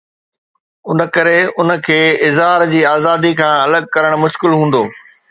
ان ڪري ان کي اظهار جي آزادي کان الڳ ڪرڻ مشڪل هوندو.